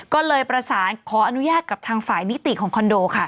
ก็เลยประสานขออนุญาตกับทางฝ่ายนิติของคอนโดค่ะ